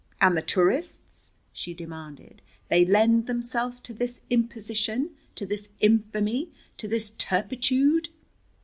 "And the tourists?" she demanded. "They lend themselves to this imposition? To this infamy? To this turpitude?"